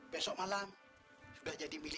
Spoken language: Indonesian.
besok malam sudah jadi milih